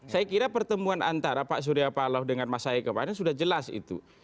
saya kira pertemuan antara pak surya paloh dengan mas hai kemarin sudah jelas itu